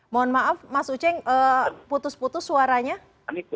mohon maaf mas uceng putus putus suaranya